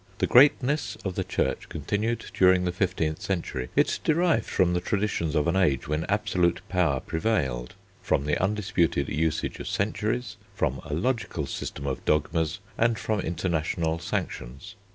The greatness of the Church continued during the fifteenth century; it derived from the traditions of an age when absolute power prevailed, from the undisputed usage of centuries, from a logical system of dogmas, and from international sanctions.